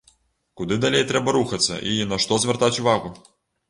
Куды далей трэба рухацца і на што звяртаць увагу?